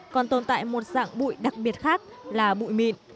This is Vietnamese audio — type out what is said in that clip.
còn tồn tại một dạng bụi đặc biệt khác là bụi mịn